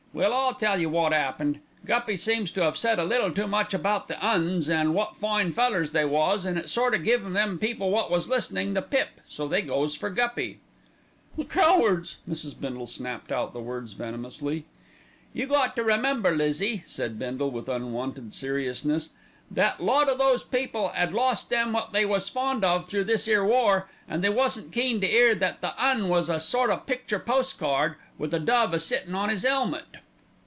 Well, I'll tell you wot 'appened. Guppy seems to 'ave said a little too much about the 'Uns, an' wot fine fellers they was, an' it sort o' give them people wot was listenin' the pip, so they goes for Guppy." "The cowards!" Mrs. Bindle snapped out the words venomously. "You got to remember, Lizzie," said Bindle with unwonted seriousness, "that a lot o' those people 'ad lost them wot they was fond of through this 'ere war, an' they wasn't keen to 'ear that the 'Un is a sort o' picture postcard, with a dove a sittin' on 'is 'elmet."